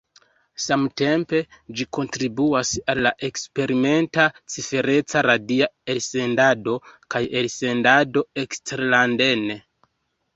Samtempe ĝi kontribuas al la eksperimenta cifereca radia elsendado kaj elsendado eksterlanden.